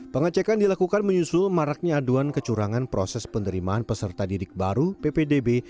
pengecekan dilakukan menyusul maraknya aduan kecurangan proses penerimaan peserta didik baru ppdb